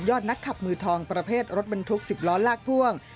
นักขับมือทองประเภทรถบรรทุก๑๐ล้อลากพ่วง